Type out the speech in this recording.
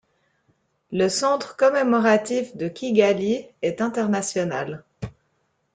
Le Centre Commémoratif de Kigali est international.